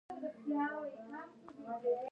د اکتوبر پر لسمه خاطره روهیال ته ولېږله.